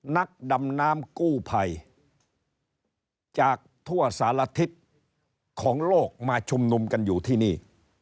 นักดำน้ำกู้ภัยจากทั่วสารทิศของโลกมาชุมนุมกันอยู่ที่นี่